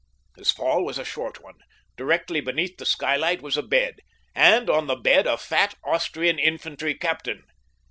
His fall was a short one. Directly beneath the skylight was a bed, and on the bed a fat Austrian infantry captain.